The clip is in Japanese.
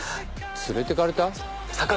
連れてかれた？